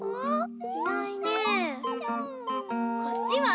こっちは？